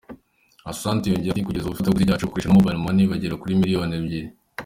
Asante yongeyeho ati “Kugeza ubu abafatabuguzi bacu bakoresha Mobile Money bagera kuri miliyoni ebyiri.